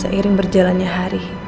seiring berjalannya hari